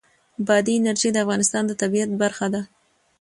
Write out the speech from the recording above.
بادي انرژي د افغانستان د طبیعت برخه ده.